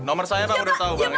nomor saya pak udah tahu banget ya